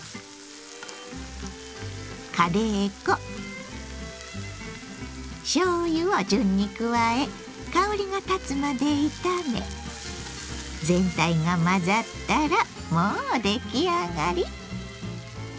カレー粉しょうゆを順に加え香りがたつまで炒め全体が混ざったらもう出来上がり。